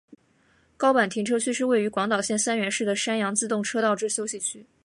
高坂停车区是位于广岛县三原市的山阳自动车道之休息区。